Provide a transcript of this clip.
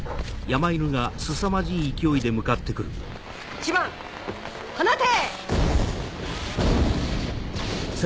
１番放て！